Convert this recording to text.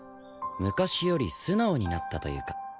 昔より素直になったというか。